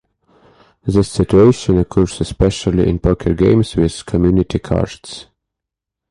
This situation occurs especially in poker games with community cards.